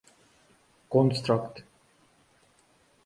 The Cougars would make their only postseason appearance that year.